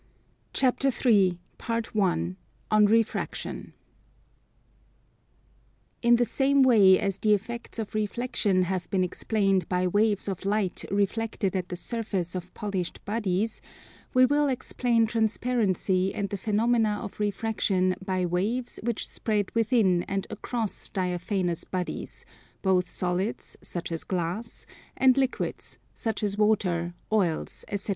CHAPTER III ON REFRACTION In the same way as the effects of Reflexion have been explained by waves of light reflected at the surface of polished bodies, we will explain transparency and the phenomena of refraction by waves which spread within and across diaphanous bodies, both solids, such as glass, and liquids, such as water, oils, etc.